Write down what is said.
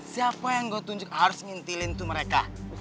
siapa yang gue tunjuk harus ngintilin tuh mereka